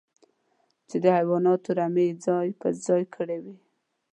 چې د حيواناتو رمې يې ځای پر ځای کړې وې.